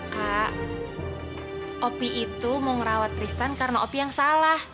kak opi itu mau ngerawat tristan karena opi yang salah